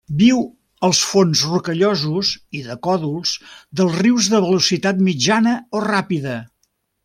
Viu als fons rocallosos i de còdols dels rius de velocitat mitjana o ràpida.